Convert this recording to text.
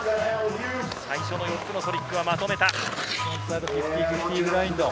最初の４つのトリックはまとめた。